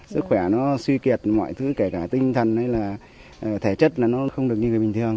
sức khỏe nó suy kiệt mọi thứ kể cả tinh thần hay là thể chất là nó không được như người bình thường